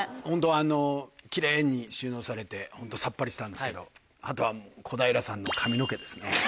ホント奇麗に収納されてさっぱりしたんですけどあとは小平さんの髪の毛ですね。